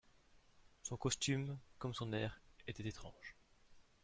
Son costume, comme son air, était étrange.